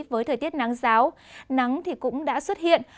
với thời tiết nắng giáo nắng cũng đã xuất hiện